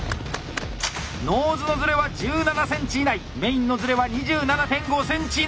ノーズのズレは１７ｃｍ以内メインのズレは２７．５ｃｍ以内。